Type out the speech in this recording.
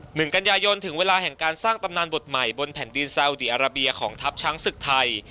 หนึ่งกันยายนถึงเวลาแห่งการสร้างตำนานบทใหม่บนแผ่นดินซาวดีอาราเบียของทัพช้างศึกไทย